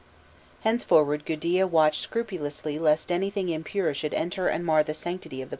Henceforward Gudea watched scrupulously lest anything impure should enter and mar the sanctity of the place.